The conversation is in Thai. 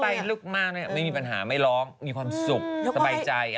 แต่ว่าล้มไปลึกมากไม่มีปัญหาไม่ร้องมีความสุขสบายใจอร่มดี